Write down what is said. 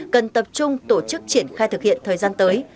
cần tập trung tổ chức triển khai thực hiện thời gian tới